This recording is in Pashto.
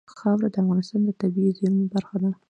خاوره د افغانستان د طبیعي زیرمو برخه ده.